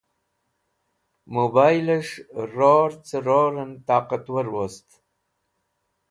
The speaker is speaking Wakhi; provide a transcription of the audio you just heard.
Mobiles̃h Ror ce Roren Toqatwar Wost